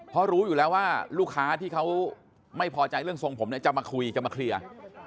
เพราะรู้อยู่แล้วว่าลูกค้าที่เขาไม่พอใจเรื่องทรงผมเนี่ยจะมาคุยจะมาเคลียร์